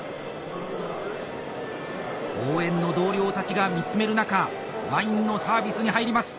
応援の同僚たちが見つめる中ワインのサービスに入ります。